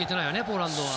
ポーランドは。